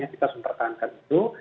kita harus mempertahankan itu